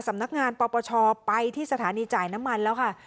สำนักงานปปชไปที่สถานีจ่ายน้ำมันแล้วค่ะ